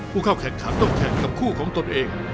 ผู้เข้าแข่งขันต้องแข่งกับคู่ของตนเอง